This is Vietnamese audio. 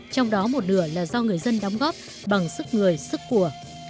trong đó một nửa là do người dân đóng góp bằng sức người sức của